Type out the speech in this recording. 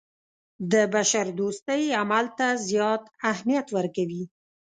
د بشردوستۍ عمل ته زیات اهمیت ورکوي.